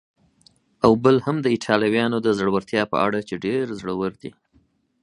او بل هم د ایټالویانو د زړورتیا په اړه چې ډېر زړور دي.